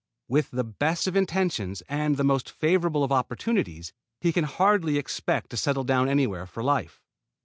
With the best of intentions and the most favorable of opportunities he can hardly expect to settle down anywhere for life.